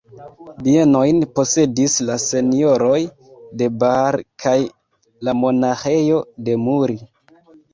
Bienojn posedis la Senjoroj de Baar kaj la Monaĥejo de Muri.